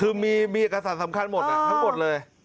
คือมีเอกสารสำคัญหมดทั้งหมดเลย